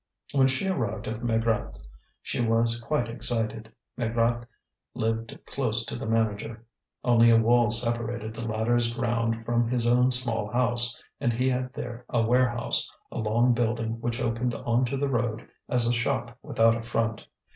When she arrived at Maigrat's, she was quite excited. Maigrat lived close to the manager; only a wall separated the latter's ground from his own small house, and he had there a warehouse, a long building which opened on to the road as a shop without a front.